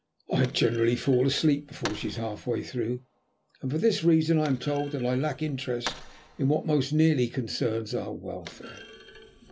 I generally fall asleep before she is half way through, and for this reason I am told that I lack interest in what most nearly concerns our welfare.